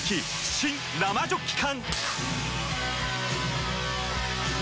新・生ジョッキ缶！